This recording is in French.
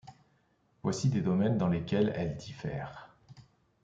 Voici des domaines dans lesquels elles diffèrent.